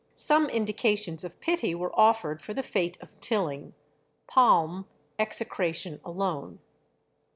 Some indications of pity were offered for the fate of Tilling; Palm, execration alone."